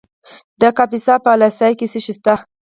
د کاپیسا په اله سای کې څه شی شته؟